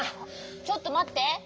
ちょっとまって。